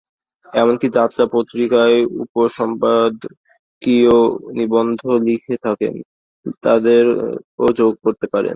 এমনকি যাঁরা পত্রপত্রিকায় উপসম্পাদকীয় নিবন্ধ লিখে থাকেন, তাঁদেরও যোগ করতে পারেন।